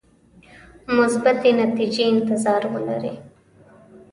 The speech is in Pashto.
مثبتې نتیجې انتظار ولري.